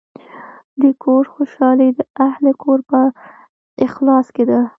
د کور خوشحالي د اهلِ کور په اخلاص کې ده.